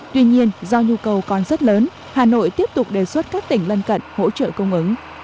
tuy nhiên do nhu cầu còn rất lớn hà nội tiếp tục đề xuất các tỉnh lân cận hỗ trợ cung ứng